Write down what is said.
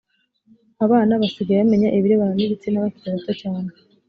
abana basigaye bamenya ibirebana n ibitsina bakiri bato cyane